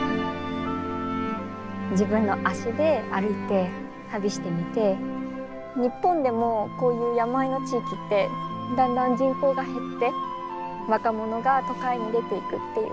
自分の足で歩いて旅してみて日本でもこういう山あいの地域ってだんだん人口が減って若者が都会に出ていくっていう。